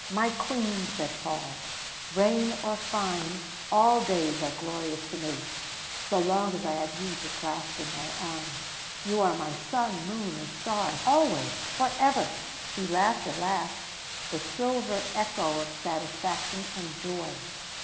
"My Queen," said Paul; "rain or fine, all days are glorious to me, so long as I have you to clasp in my arms. You are my sun, moon and stars always, for ever." She laughed a laugh, the silver echo of satisfaction and joy.